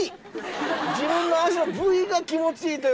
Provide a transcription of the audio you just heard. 自分の足の部位が気持ちいいということで。